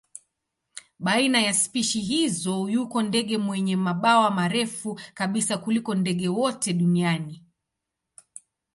Baina ya spishi hizi yuko ndege wenye mabawa marefu kabisa kuliko ndege wote duniani.